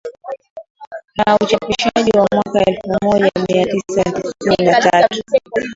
na Uchapishaji wa mwaka elfumoja miatisa tisini na tatu